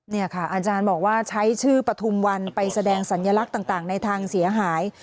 นี่ค่ะอาจารย์บอกว่าใช้ชื่อปฐุมวันไปแสดงสัญลักษณ์ต่างในทางเสียหาย